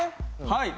はい。